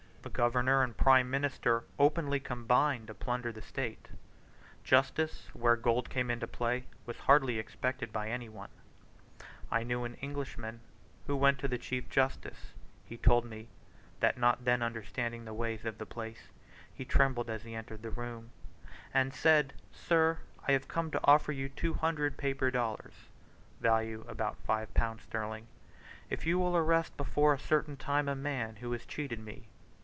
The governor and prime minister openly combined to plunder the state. Justice, where gold came into play, was hardly expected by any one. I knew an Englishman, who went to the Chief Justice (he told me, that not then understanding the ways of the place, he trembled as he entered the room), and said, "Sir, I have come to offer you two hundred (paper) dollars (value about five pounds sterling) if you will arrest before a certain time a man who has cheated me.